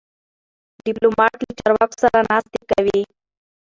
ډيپلومات له چارواکو سره ناستې کوي.